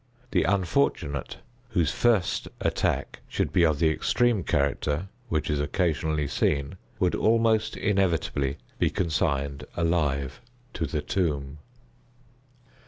The unfortunate whose first attack should be of the extreme character which is occasionally seen, would almost inevitably be consigned alive to the tomb.